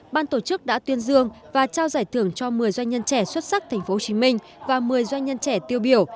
ban tổ chức đã tuyên dương và trao giải thưởng cho một mươi doanh nhân trẻ xuất sắc tp hcm và một mươi doanh nhân trẻ tiêu biểu